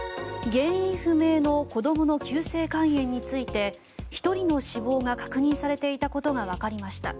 原因不明の子どもの急性肝炎について１人の死亡が確認されていたことがわかりました。